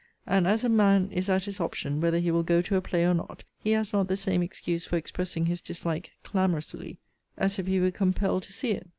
And as a man is at his option, whether he will go to a play or not, he has not the same excuse for expressing his dislike clamorously as if he were compelled to see it.